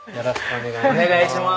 お願いします！